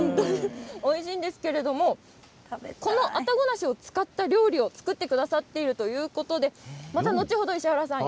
おいしいんですけれどもあたご梨を使った料理を作ってくださっているということでまた後ほど石原さん